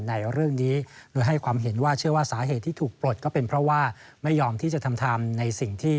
ในเรื่องนี้โดยให้ความเห็นว่าเชื่อว่าสาเหตุที่ถูกปลดก็เป็นเพราะว่าไม่ยอมที่จะทำในสิ่งที่